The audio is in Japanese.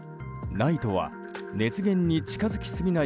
ＮＩＴＥは熱源に近づきすぎない